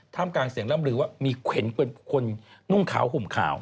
กลางเสียงร่ำลือว่ามีเข็นเป็นคนนุ่งขาวห่มขาว